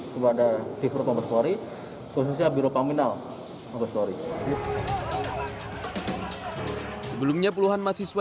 kepada div propam mabes polri khususnya biro paminal mabes polri sebelumnya puluhan mahasiswa